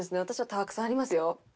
私はたくさんありますよ。